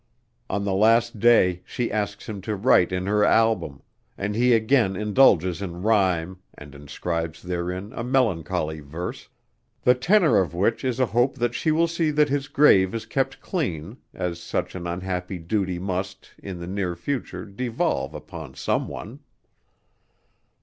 On the last day she asks him to write in her album, and he again indulges in rhyme and inscribes therein a melancholy verse, the tenor of which is a hope that she will see that his grave is kept green, as such an unhappy duty must, in the near future, devolve upon some one.